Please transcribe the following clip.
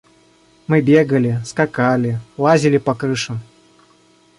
Мы бегали, скакали, лазили по крышам.